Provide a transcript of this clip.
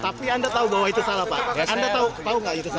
tapi anda tahu bahwa itu salah pak anda tahu nggak itu salah